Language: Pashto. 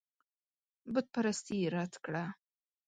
بتپرستي یې رد کړه.